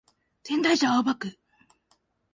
仙台市青葉区